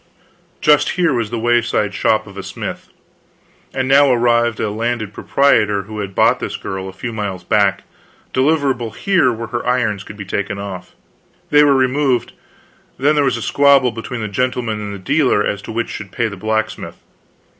Just here was the wayside shop of a smith; and now arrived a landed proprietor who had bought this girl a few miles back, deliverable here where her irons could be taken off. They were removed; then there was a squabble between the gentleman and the dealer as to which should pay the blacksmith.